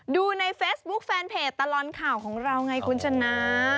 ดูในเฟซบุ๊คแฟนเพจตลอดข่าวของเราไงคุณชนะ